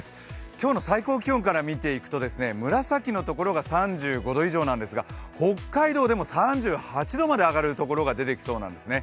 今日の最高気温から見ていくと、紫の所が３５度以上なんですが北海道でも３８度まで上がるところが出てきそうなんですね。